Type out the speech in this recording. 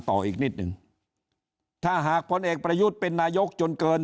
ต่ออีกนิดนึงถ้าหากพลเอกประยุทธ์เป็นนายกจนเกิน